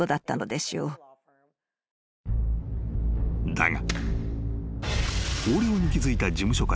［だが］